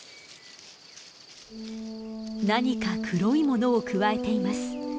何か黒いものをくわえています。